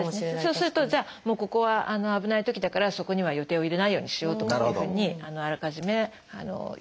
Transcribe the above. そうするとじゃあもうここは危ないときだからそこには予定を入れないようにしようとかというふうにあらかじめ予定も立つと。